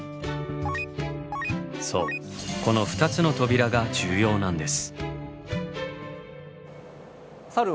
そうこの２つの扉が重要なんです。